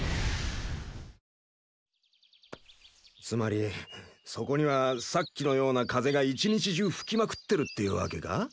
つまりそこにはさっきのような風が１日中吹きまくってるっていうわけか？